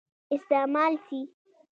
استعمال سي.